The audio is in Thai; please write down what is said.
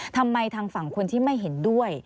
ทางฝั่งคนที่ไม่เห็นด้วย